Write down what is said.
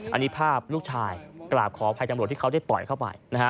อันนี้ภาพลูกชายกราบขออภัยตำรวจที่เขาได้ต่อยเข้าไปนะฮะ